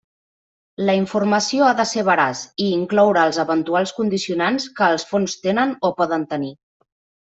La informació ha de ser veraç i incloure els eventuals condicionants que els fons tenen o poden tenir.